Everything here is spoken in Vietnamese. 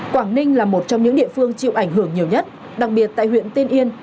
quảng ninh là một trong những địa phương chịu ảnh hưởng nhiều nhất đặc biệt tại huyện tiên yên